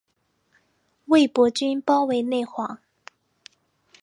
魏博军包围内黄。